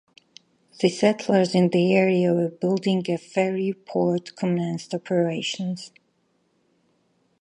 The settlers in the area were building a ferry port commenced operations.